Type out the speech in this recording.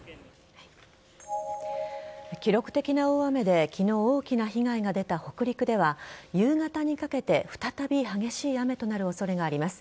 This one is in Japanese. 記録的な大雨で昨日、大きな被害が出た北陸では夕方にかけて再び激しい雨となる恐れがあります。